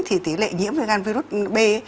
thì tỷ lệ nhiễm viêm gan virus b